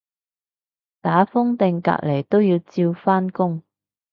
打風定隔離都要照返工